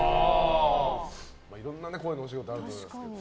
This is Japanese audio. いろいろ声のお仕事あると思いますけど。